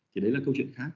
thì đấy là câu chuyện khác